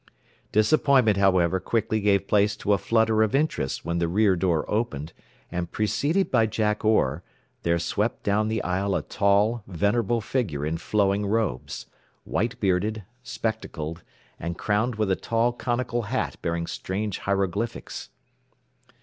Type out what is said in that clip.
Disappointment, however, quickly gave place to a flutter of interest when the rear door opened, and preceded by Jack Orr, there swept down the aisle a tall, venerable figure in flowing robes; white bearded, spectacled, and crowned with a tall conical hat bearing strange hieroglyphics.